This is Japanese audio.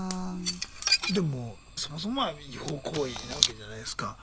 でもそもそもが違法行為なわけじゃないすか。